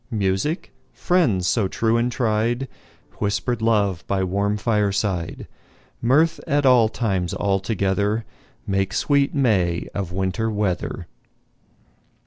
Music, friends so true and tried, Whisper'd love by warm fireside, Mirth at all times all together, Make sweet May of Winter weather.